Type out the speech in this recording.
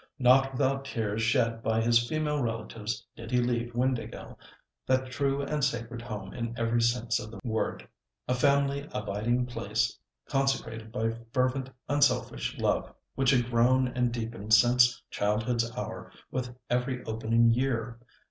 Not without tears shed by his female relatives did he leave Windāhgil, that true and sacred home in every sense of the word—a family abiding place consecrated by fervent, unselfish love, which had grown and deepened since childhood's hour with every opening year.